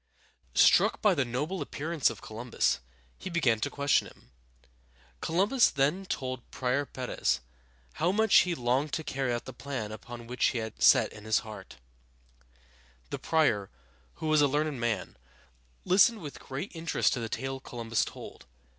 Struck by the noble appearance of Columbus, he began to question him. Columbus then told Prior Perez (pā´reth) how much he longed to carry out the plan upon which he had set his heart. [Illustration: La Rábida.] The prior, who was a learned man, listened with great interest to the tale Columbus told.